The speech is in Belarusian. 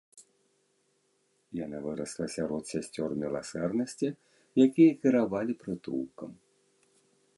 Яна вырасла сярод сясцёр міласэрнасці, якія кіравалі прытулкам.